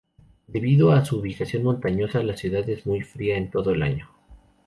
Debido a su ubicación montañosa la ciudad es muy fría en todo el año.